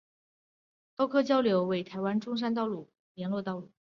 高科交流道为台湾中山高速公路的重要联络道路。